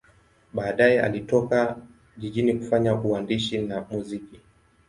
Baadaye alitoka jijini kufanya uandishi na muziki.